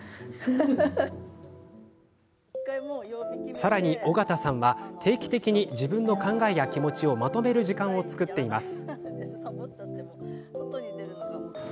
さらに、おがたさんは定期的に自分の考えや気持ちをまとめる時間を作っています。